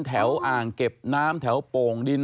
อ่างเก็บน้ำแถวโป่งดิน